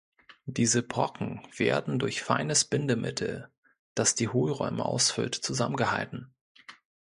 Diese Brocken werden durch feines Bindemittel, das die Hohlräume ausfüllt, zusammengehalten.